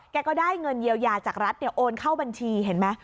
ก็ได้เงินเยียวยาจากรัฐโอนเข้าบัญชีเห็นไหม